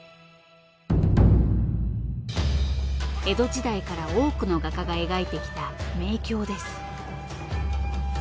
江戸時代から多くの画家が描いてきた名橋です。